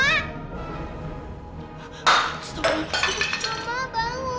malam ini akan ditemukan di kajang lie restaurant